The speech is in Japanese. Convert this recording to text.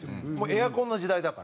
エアコンの時代だから。